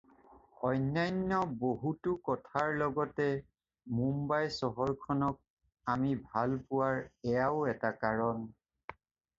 অন্যান্য বহুতো কথাৰ লগতে মুম্বাই চহৰখনক আমি ভাল পোৱাৰ এয়াও এটা কাৰণ।